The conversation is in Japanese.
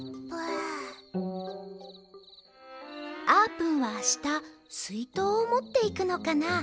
あーぷんはあしたすいとうをもっていくのかな？